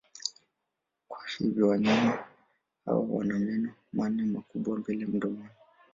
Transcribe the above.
Kwa hivyo wanyama hawa wana meno manne makubwa mbele mdomoni.